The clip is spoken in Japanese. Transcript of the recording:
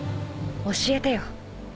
教えてよ